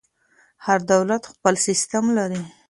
هر دولت خپل سیسټم لري.